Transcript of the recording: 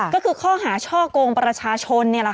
ก็คือข้อหาช่อกงประชาชน